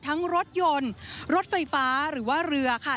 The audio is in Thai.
รถยนต์รถไฟฟ้าหรือว่าเรือค่ะ